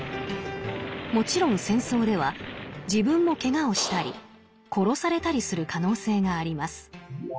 もちろん戦争では自分も怪我をしたり殺されたりする可能性があります。